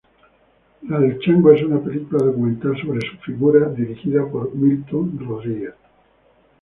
La del Chango es una película documental sobre su figura, dirigida por Milton Rodriguez.